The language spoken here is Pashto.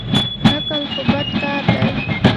نقل خو بد کار دئ.